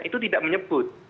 itu tidak menyebut